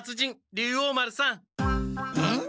竜王丸さん。